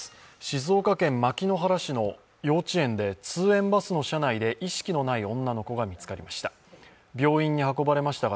静岡県牧之原市の幼稚園で通園バスの車内で意識のない女の子が見つかりました。